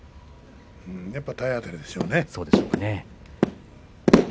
やっぱり体当たりでしょうね。